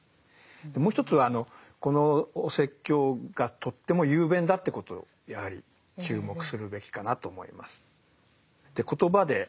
もう一つはこのお説教がとっても雄弁だってことであり注目するべきかなと思います。